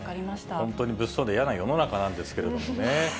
本当に物騒で嫌な世の中なんですけどもね。